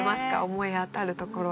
思い当たるところは。